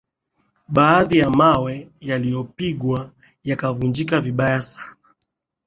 baadhi ya mawe yaliyopigwa yakavunjika vibaya sana